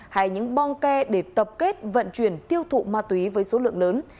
hay những bong ke để tập kết vận chuyển tiêu thụ ma túy với số lượng lớn